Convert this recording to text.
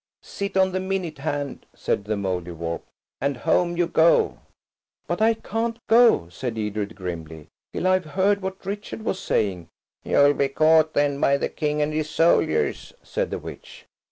"Sit on the minute hand," said the Mouldiwarp, "and home you go." "But I can't go," said Edred grimly, "till I've heard what Richard was saying." "You'll be caught, then, by the King and his soldiers," said the witch.